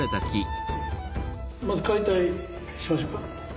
まず解体しましょうか。